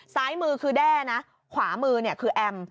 ซ้ายมือคือแด้นะขวามือเนี่ยคือแอม